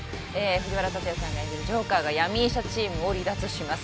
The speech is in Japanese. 藤原竜也さんが演じるジョーカーが闇医者チームを離脱します